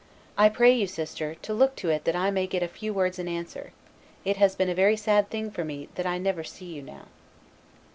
I pray you, sister, to look to it that I may get a few words in answer; it has been a very sad thing for me that I never see you now."